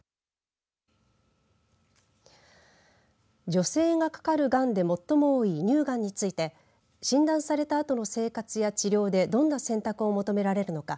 女性がかかる、がんで最も多い、乳がんについて診断されたあとの生活や治療でどんな選択を求められるのか。